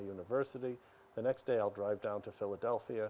pada hari berikutnya saya akan berlari ke philadelphia